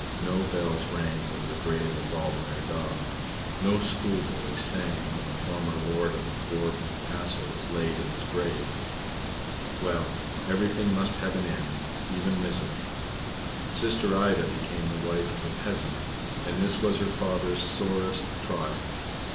No bells rang over the grave of Waldemar Daa. No schoolboys sang when the former lord of Borreby Castle was laid in his grave. Well, everything must have an end, even misery! Sister Ida became the wife of a peasant, and this was her father's sorest trial.